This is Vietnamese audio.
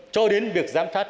cho đến việc giám sát